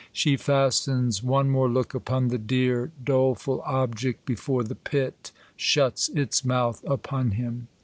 She fastens one more look upon the dear doleful object,: before the pit shuts its mouth upon him.